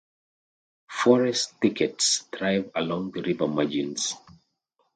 Forest thickets thrive along the river margins.